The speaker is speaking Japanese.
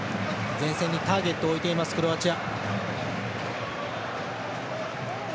前線にターゲットを置いていますクロアチア。